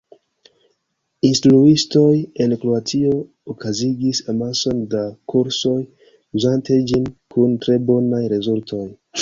Instruistoj en Kroatio okazigis amason da kursoj uzante ĝin kun tre bonaj rezultoj.